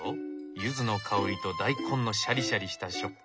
ユズの香りと大根のシャリシャリした食感。